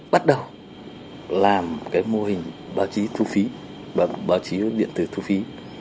bắt đầu làm cái mô hình báo chí thu phí và báo chí điện tử thu phí